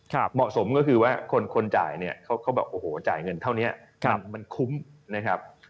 เหมาะสมก็คือว่าคนคนจ่ายเนี่ยเขาก็แบบโอ้โหจ่ายเงินเท่านี้มันคุ้มนะครับ